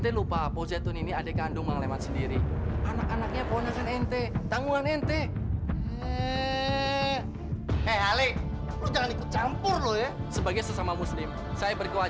ibu dan almarhum suami ibu